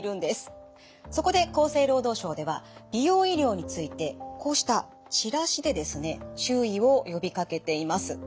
そこで厚生労働省では美容医療についてこうしたチラシでですね注意を呼びかけています。